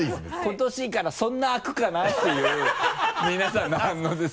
「今年」からそんな空くかなっていう皆さんの反応です。